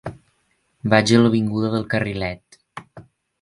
Vaig a l'avinguda del Carrilet.